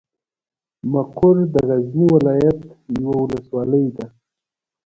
مقر د غزني ولايت یوه ولسوالۍ ده.